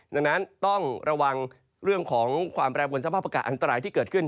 ดังนั้นต้องระวังเรื่องของความแปรปวนสภาพอากาศอันตรายที่เกิดขึ้น